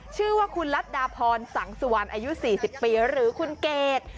ชื่อว่าคุณรัฐดาพรสังสุวรรณอายุ๔๐ปีหรือคุณเกด